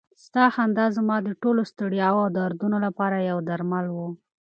ستا خندا زما د ټولو ستړیاوو او دردونو لپاره یو درمل و.